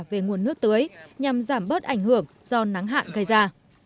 về nguồn nước tưới nhằm giảm bớt ảnh hưởng do nắng hạn gây ra